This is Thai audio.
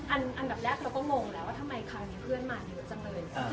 อันดับแรกเราก็งงแล้วว่าทำไมครั้งนี้เพื่อนมาเยอะจังเลย